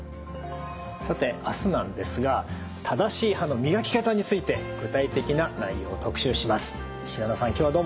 さて明日なんですが正しい歯の磨き方について具体的な内容を特集します。